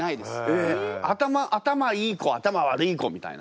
えっ頭いい子頭悪い子みたいな。